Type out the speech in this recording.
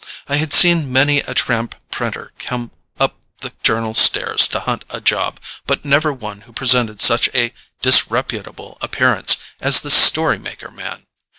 I had seen many a tramp printer come up the Journal stairs to hunt a job, but never one who presented such a disreputable appearance as this story maker man.